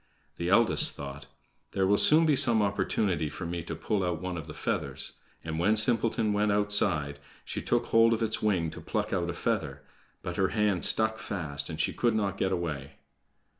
The eldest thought: "There will soon be some opportunity for me to pull out one of the feathers," and when Simpleton went outside, she took hold of its wing to pluck out a feather; but her hand stuck fast, and she could not get away.